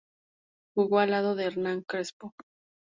Jugó al lado de Hernán Crespo.